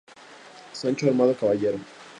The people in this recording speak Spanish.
X.- Sancho armado caballero.